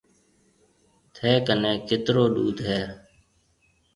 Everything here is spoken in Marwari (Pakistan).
ٿَي ڪنَي ڪيترو ڏوڌ هيَ؟